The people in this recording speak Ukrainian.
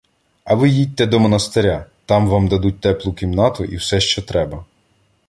А ви їдьте до монастиря, там вам дадуть теплу кімнату і все що треба.